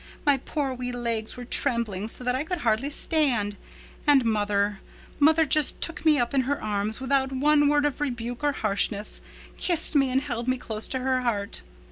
My poor wee legs were trembling so that I could hardly stand. And mother—mother just took me up in her arms, without one word of rebuke or harshness, kissed me and held me close to her heart.